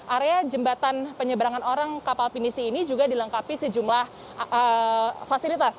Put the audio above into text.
area jembatan penyeberangan orang kapal pinisi ini juga dilengkapi sejumlah fasilitas